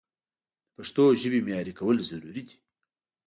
د پښتو ژبې معیاري کول ضروري دي.